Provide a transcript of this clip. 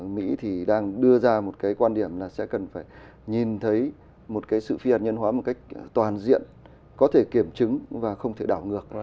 mỹ thì đang đưa ra một cái quan điểm là sẽ cần phải nhìn thấy một sự phi hạt nhân hóa một cách toàn diện có thể kiểm chứng và không thể đảo ngược